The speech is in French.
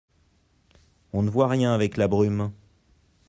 On ne voit rien avec la brume.